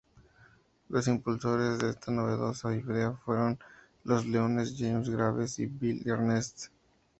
Los impulsores de esta novedosa idea fueron los Leones James Graves y Bill Ernest.